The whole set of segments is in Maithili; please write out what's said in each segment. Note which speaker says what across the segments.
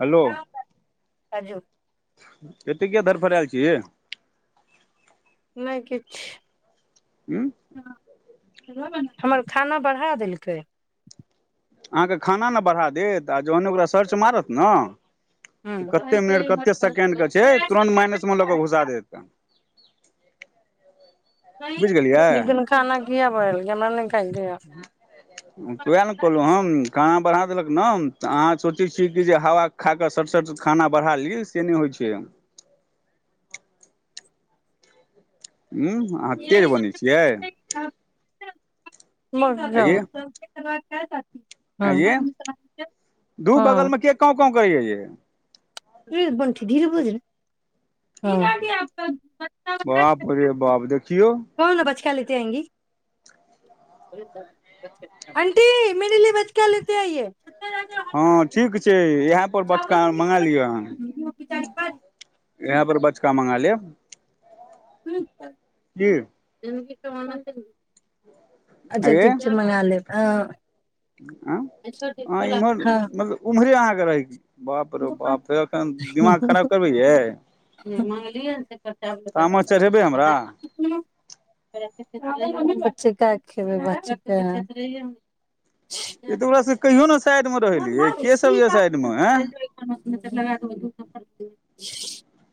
Speaker 1: हेलो
Speaker 2: काजू
Speaker 1: एतेक किया धरफड़एल छियै ये
Speaker 2: नहि किछु
Speaker 1: हँ
Speaker 2: हमर खाना बढ़ा देलकै
Speaker 1: अहाँके खाना ने बढ़ा देत आ जखन ओकरा सर्च मारत ने तऽ कते मिनट कते सेकेंडके छै तुरन्त माइनस मे लऽ कऽ घुसा देतै
Speaker 2: नहि
Speaker 1: बुझि गेलियै
Speaker 2: लेकिन खाना क बेनेलकय
Speaker 1: वह ने कहलहु हम काम देलक न त आँहां सोचय छी की जे हवा खा क सट सट खाना बढ़ा ली से नहि होय छैय। ह अहाँ तेज बनै छियै।
Speaker 2: मग जाउ [unintelligible]
Speaker 1: आँय ये दु बगल
Speaker 2: हाँ
Speaker 1: में के कउ कउ करय या ये
Speaker 2: बंठी धीरे बुझल
Speaker 1: बाप रे बाप देख केव
Speaker 2: क्या लेते आयेगी अंटी मेरे लिये बचका लेते आइये
Speaker 1: हँ ठीक छैय इएह पर बचका मंगा लियहन इह पर बचका मंगा लिय लेब
Speaker 2: [unintelligible]
Speaker 1: की
Speaker 2: [inaudible] [unintelligible] अच्छा ठीक छैय मंगा लेब अ
Speaker 1: आ अ इमहर
Speaker 2: हाँ
Speaker 1: मतलब उम्हरे अहाँके रहै क
Speaker 2: [unintelligible]
Speaker 1: खराब करबै यै
Speaker 2: बच्चे
Speaker 1: तामस चढ़ेबै
Speaker 2: क
Speaker 1: हमरा
Speaker 2: खेबै बच्च त
Speaker 1: ई तऽ ओकरा सब कहियो ने साइड मे रहलियै के सब ये साइड मे
Speaker 2: [unintelligible] [inaudible]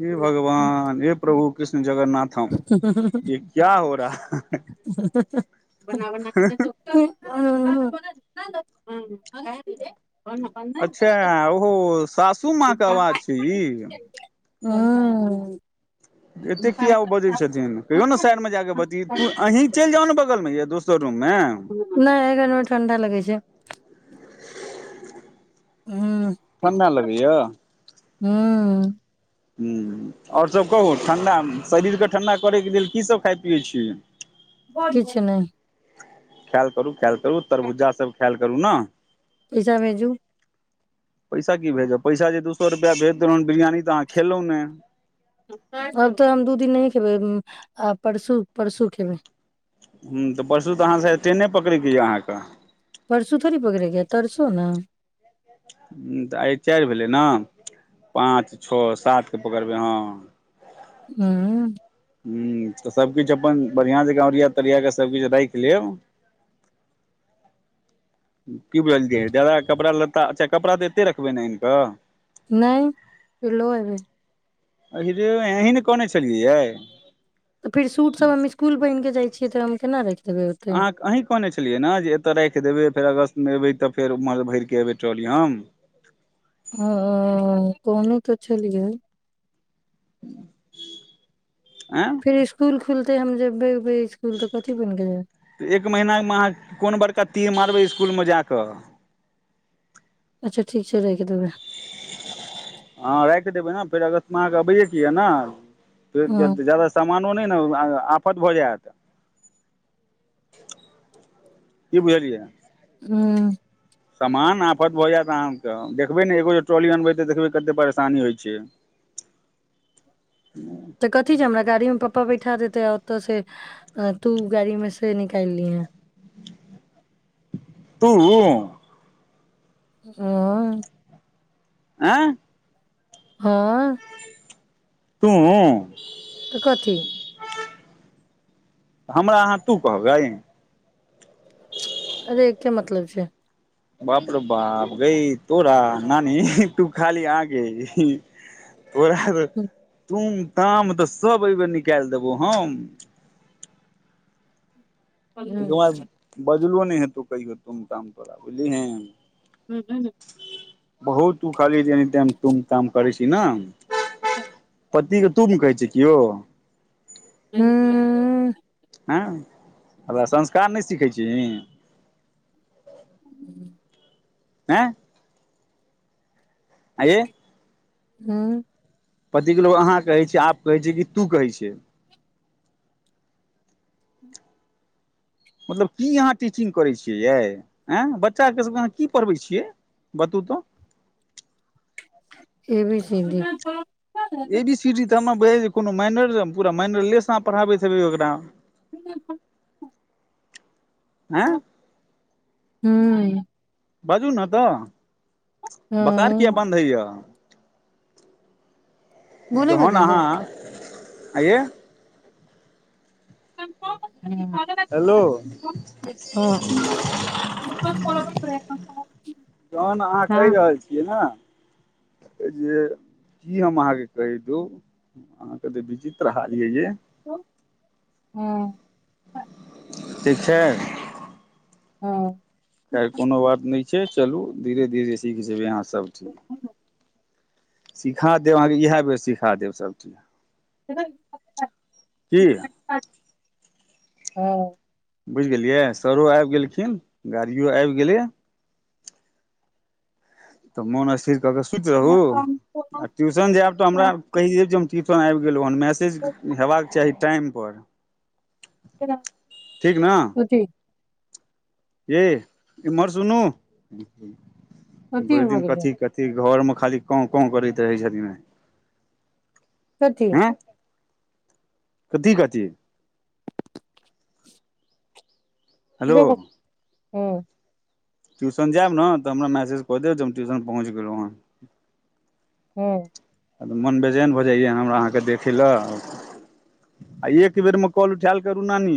Speaker 1: हे भगवान हे प्रभु कृष्ण जगन्नाथम
Speaker 2: हु हु हु
Speaker 1: ये क्या हो रहा
Speaker 2: [unintelligible] आ [inaudible]
Speaker 1: अच्छा ओहो सासू माँ क आवाज छैय ई
Speaker 2: हँ
Speaker 1: एते कियाब ओ बजैत छथिन कहियो ने शयड मे जाकऽ बती तू अहीं चलि जाउ ने बगलमे या दोसर रूम मे
Speaker 2: नहि एघरमे ठण्डा लगै छै
Speaker 1: ठण्डा लगैय
Speaker 2: हूं
Speaker 1: ह्म आओरसभ कहू ठण्ढा शरीरके ठंढा करयके लेल कीसभ खाइ पियै छियै
Speaker 2: किछु नहि
Speaker 1: कायल करू कायल करू रो तरबुज्जा सब खायल करू ने
Speaker 2: पैसाभेजू
Speaker 1: पैसा की भेजब पैसा जे दुस दु सौ रुपआ भेज देलौहन बिरियान तऽ अहांके खेलौ नै
Speaker 2: आब तऽ हम दू दिन नहि खेबै आ परसू परसू खेबै
Speaker 1: हँ तऽ परसू तऽ अहाँ शायद ट्रेने पकड़यके यए अहाँक
Speaker 2: परसू थोरी पकड़े के तरसो न
Speaker 1: ह्म्म तऽ आइ चारि भेलै न पाँच छौ सातकेँ पकड़बै हँ
Speaker 2: हूं
Speaker 1: हं तऽ सबकिछ अपन बढ़िआं जकाँ ओरिया तरिया कऽ सबकिछ राइख लेब की बुझलियै जादा कपड़ा लत्त अच्छा कपड़ा तऽ एते रखबै ने आनि कऽ
Speaker 2: नहि ल' एबै
Speaker 1: अहीरे बंही अहिं ने कहने छलियैै यै
Speaker 2: तऽ फिर सूट सब हम स्कूल पहिन केऽ जाइ छी के त' हम केना रख
Speaker 1: अहाँ अही कहने छलियै न जे एतय राखि देबै फेर अगस्त मे एबै तऽ फेर उमहरसं भरिके एबै ट्रोली हम
Speaker 2: ह कहने तऽ छलियै
Speaker 1: [inaudible]
Speaker 2: फिर स्कूल ख खुलते हम जेबै उबै स्कूल तऽ कथी बन के जेबै
Speaker 1: तऽ एक महिनामे अहाँ कोन बड़का तीर मारबै इ सकुलमे जा कऽ
Speaker 2: अच्छा ठीक छै राखि देबै
Speaker 1: हँ राखि देबै ने फेर अगस्तमे अहाँकेँ अबैएके यए न फेर
Speaker 2: ह
Speaker 1: जद जादा समान नो नइने आफत भ जैत कि बुझलियै
Speaker 2: हूं
Speaker 1: समान आफत भऽ जायत अहाँके देखबै ने एगो जे ट्रॉली अनबै तऽ देखबै कतेक परेशानी होइ छै
Speaker 2: तऽ कथी छै हमरा गाड़ी मे पप्पा बैठा देत त औतऽ से तू गाड़ी मे से निकाइल लीहैं
Speaker 1: तूं
Speaker 2: हं
Speaker 1: ऐं
Speaker 2: हँ
Speaker 1: तूं
Speaker 2: तऽ कथी
Speaker 1: हमरा अहाँ तू कहबैय
Speaker 2: अरे एके मतलब छै
Speaker 1: बाप रे बाप गई तोरा नानी तू खाली आगै तोरा त तूं काम तऽ सब एहि बेर निकालि देबौ हम
Speaker 2: [unintelligible]
Speaker 1: झलो नहि है तो कहि हो तुम काम तोरा बुझली हीं
Speaker 2: ह्म ह्म
Speaker 1: बहुत तु खाली ऐनी टेम तूम ताम करै छै ही ना
Speaker 2: ा [unintelligible]
Speaker 1: पतिके तुम कहै छै कियो
Speaker 2: उं
Speaker 1: ऐं हमरा संस्कार नहि सीखै छी ही
Speaker 2: [inaudible]
Speaker 1: आँय ऐंयै
Speaker 2: हुं
Speaker 1: पतिके लोग अहाँ कहै छै आप कहै छै कि तू कहै छै मतलब की अहाँ टीचिंग करै छियै यै आँय बच्चाके सभके अहाँ की पढ़बै छियै बतू त
Speaker 2: A B [unintelligible]
Speaker 1: A B C D मे कोनो मैनर पूरा मैनरे लेस आहां पढ़ाबैत हेबे ओकरा
Speaker 2: [unintelligible]
Speaker 1: आँय
Speaker 2: हूं ह्म
Speaker 1: बाजू न त' बकार किया बन्द होइया
Speaker 2: भूल ही गए
Speaker 1: जहन
Speaker 2: जानो
Speaker 1: आहाँ आंइयै हेलो
Speaker 2: [unintelligible] [unintelligible]
Speaker 1: तहन अहाँ कहि रहल छियै न जे की हम अहाँके कहि धु अहाँके त बिजी बिचित्र हाल ये ये
Speaker 2: हाँ,
Speaker 1: ठीक छै
Speaker 2: हँ
Speaker 1: खैर कोनो बात नहि चलू धीरे धीरे सीख जेबै अहाँ सबठीक सीखा देब अहाँके इएह बेर सीखा देब सभचीज की
Speaker 2: हँ
Speaker 1: बुझि गेलियै सरो आबि गेलखिन गाड़िओ आबि गेलै तऽ मन स्थिर क क सुति रहू आ ट्यूशन जायब तऽ हमरा कहि देब जे हम ट्यूशन आबि गेलहुँ हन मैसेज हेबाक चाही टाइमपर
Speaker 2: कथि
Speaker 1: ह्म्म इम्हर सुनू
Speaker 2: सोची
Speaker 1: भरि दिन
Speaker 2: भगे
Speaker 1: कथी कथी घरमे खाली कांव कांव करैत रहैय छथिन ने
Speaker 2: कथी
Speaker 1: कथी कथी हलो
Speaker 2: हूं
Speaker 1: ट्यूशन जायब ने तऽ हमरा मैसेज कऽ देब जे हम ट्यूशन पहुँच गेलहुँ हेँ
Speaker 2: हूं
Speaker 1: मन बेचैन भऽ जाइ हमरा आहां के देखै ला आ एक बेरमे काॅल उठैल करू नानी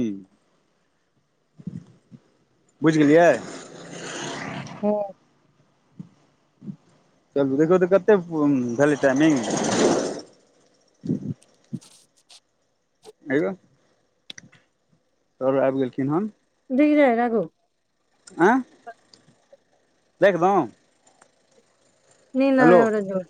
Speaker 1: बुझि गेलियै
Speaker 2: ह
Speaker 1: चलू देखो तऽ कते भेली टाइमिंग अयो सर आबि गेलखिन हन
Speaker 2: देख जाय राघु
Speaker 1: आँय देखलो
Speaker 2: नीन्न न आबैय हमरा जोर